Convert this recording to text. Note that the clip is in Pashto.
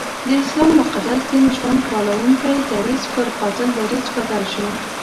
د اسلام مقدس دین ژوند پالونکی درځ پر قاتل دریځ بدل شو.